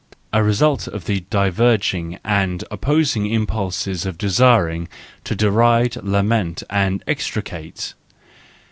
A result of the diverging and opposite impulses of desiring to deride, lament and execrate?